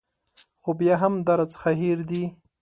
خو بیا هم دا راڅخه هېر دي.